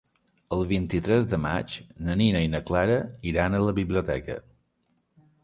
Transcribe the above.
El vint-i-tres de maig na Nina i na Clara iran a la biblioteca.